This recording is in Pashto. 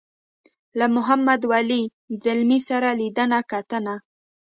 له محمد ولي ځلمي سره لیدنه کتنه.